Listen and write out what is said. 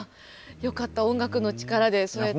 よかった音楽の力でそうやって。